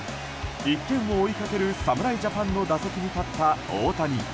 １点を追いかける侍ジャパンの打席に立った大谷。